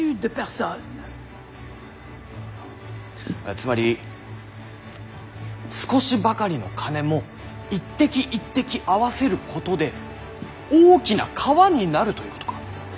つまり少しばかりの金も一滴一滴合わせることで大きな川になるということか。